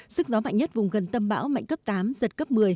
sức gió mạnh nhất vùng gần tâm bão mạnh cấp tám giật cấp một mươi